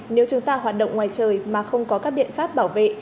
nếu chúng ta hoạt động ngoài trời mà không có các biện pháp bảo vệ